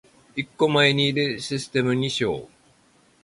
一個前にいるシステムにしよう